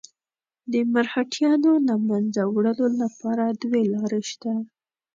د مرهټیانو له منځه وړلو لپاره دوې لارې شته.